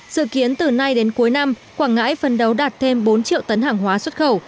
dự kiến từ nay đến cuối năm quảng ngãi phân đấu đạt thêm bốn triệu tấn hàng hóa xuất khẩu